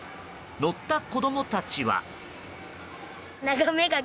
乗った子供たちは。